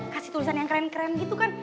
kasih tulisan yang keren keren gitu kan